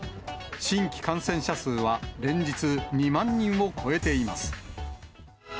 新規感染者数は連日２万人を超えています。